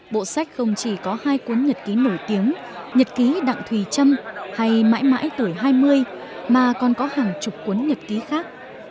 bộ sách không chỉ có hai cuốn nhật ký nổi tiếng nhật ký đặng thùy trâm hay mãi mãi tuổi hai mươi mà còn có hàng chục cuốn nhật ký khác